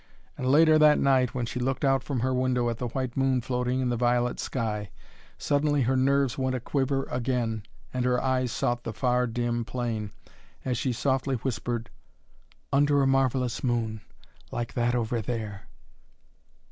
And later that night, when she looked out from her window at the white moon floating in the violet sky, suddenly her nerves went a quiver again and her eyes sought the far, dim plain as she softly whispered, "Under a marvellous moon, like that over there!"